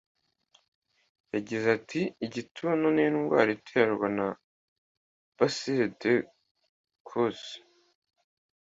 Yagize ati “Igituntu ni indwara iterwa na Bacille de koch (soma basile do koke)